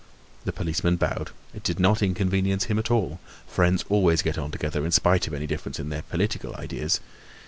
The policeman bowed; it did not inconvenience him at all; friends always get on together, in spite of any difference in their political ideas.